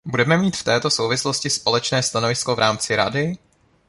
Budeme mít v této souvislosti společné stanovisko v rámci Rady?